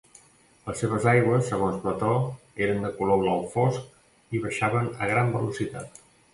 Les seves aigües, segons Plató, eren de color blau fosc i baixaven a gran velocitat.